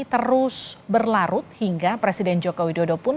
terus berlarut hingga presiden joko widodo pun